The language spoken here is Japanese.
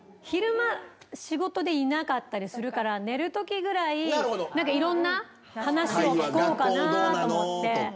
昼間、仕事でいなかったりするから、寝るときぐらい、いろんな話を聞こうかなって。